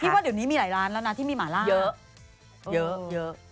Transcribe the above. ว่าเดี๋ยวนี้มีหลายร้านแล้วนะที่มีหมาล่าเยอะเยอะ